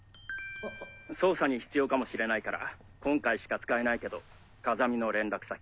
捜査に必要かもしれないから今回しか使えないけど風見の連絡先。